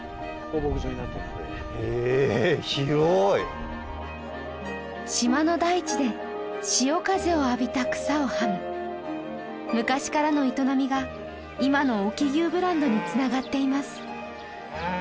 へえ広い島の大地で潮風を浴びた草をはむ昔からの営みが今の隠岐牛ブランドにつながっています